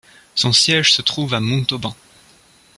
Son siège se trouve à Montauban.